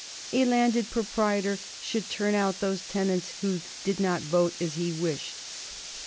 "A landed proprietor should turn out those tenants who did not vote as he wished."